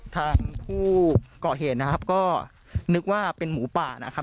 ทางผู้ก่อเหตุนะครับก็นึกว่าเป็นหมูป่านะครับ